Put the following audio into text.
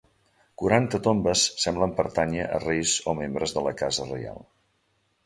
Quaranta tombes semblen pertànyer a reis o membres de la casa reial.